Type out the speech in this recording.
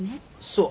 そう。